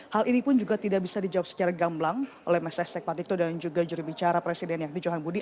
hal ini pun juga tidak bisa dijawab secara gamblang oleh menteri isdm dan juga juri bicara presiden yakti johan budi